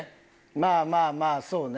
まあまあまあそうね。